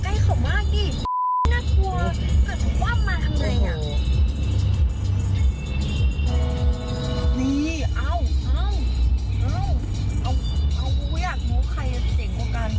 เอ้าเขาก็อย่าลากมองใครจะมันเสียตัวกัน